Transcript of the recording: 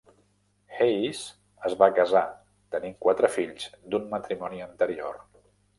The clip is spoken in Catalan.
Hayes es va casar tenint quatre fills d'un matrimoni anterior.